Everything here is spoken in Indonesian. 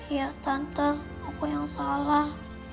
ya tante aku yang salah